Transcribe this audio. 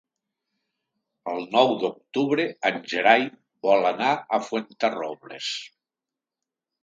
El nou d'octubre en Gerai vol anar a Fuenterrobles.